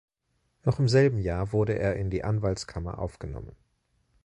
Noch im selben Jahr wurde er in die Anwaltskammer aufgenommen.